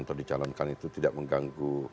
untuk dicalonkan itu tidak mengganggu